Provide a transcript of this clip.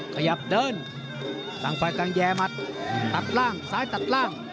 ขยับเดินต่างฝ่ายต่างแย่หมัดตัดล่างซ้ายตัดล่าง